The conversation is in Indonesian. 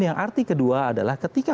yang arti kedua adalah ketika